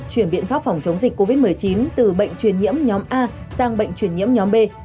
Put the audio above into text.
chuyển biện pháp phòng chống dịch covid một mươi chín từ bệnh truyền nhiễm nhóm a sang bệnh truyền nhiễm nhóm b